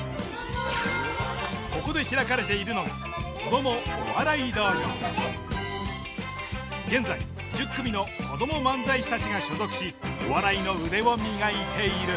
ここで開かれているのが現在１０組の子ども漫才師たちが所属しお笑いの腕を磨いている。